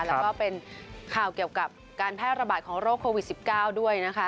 แล้วก็เป็นข่าวเกี่ยวกับการแพร่ระบาดของโรคโควิด๑๙ด้วยนะคะ